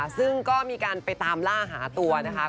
ซึ่งก็มีการไปตามล่าหาตัวนะคะ